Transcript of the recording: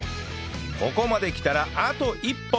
ここまで来たらあと一歩